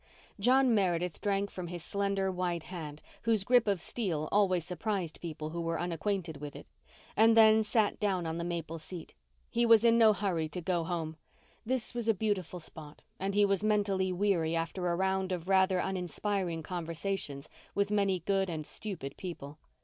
John Meredith drank from his slender white hand, whose grip of steel always surprised people who were unacquainted with it, and then sat down on the maple seat. He was in no hurry to go home; this was a beautiful spot and he was mentally weary after a round of rather uninspiring conversations with many good and stupid people.